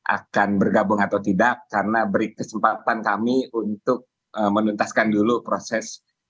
akan bergabung atau tidak karena beri kesempatan kami untuk menuntaskan dulu proses